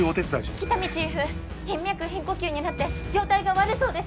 喜多見チーフ頻脈頻呼吸になって状態が悪そうです